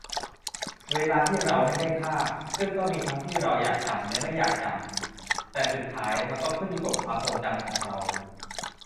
เวลาที่เราไม่ได้ฆ่า ซึ่งมีทั้งที่เราอยากจำและไม่อยากจำ แต่สุดท้ายมันก็อยู่ในความทรงจำของเรา